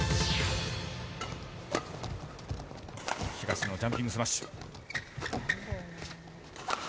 東野、ジャンピングスマッシュ。